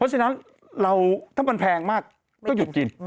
เพราะฉะนั้นถ้ามันแพงมากก็หยุดกิน